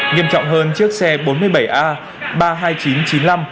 nghiêm trọng hơn chiếc xe bốn mươi bảy a